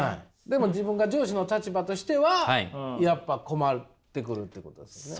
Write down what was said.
でも自分が上司の立場としてはやっぱ困ってくるっていうことですね。